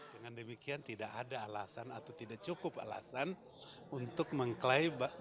dengan demikian tidak ada alasan atau tidak cukup alasan untuk mengklaim bahwa produk industri